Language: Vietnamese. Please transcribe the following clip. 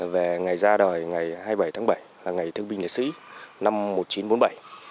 về ngày ra đời ngày hai mươi bảy tháng bảy là ngày thương binh liệt sĩ năm một nghìn chín trăm bốn mươi bảy